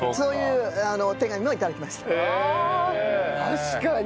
確かに。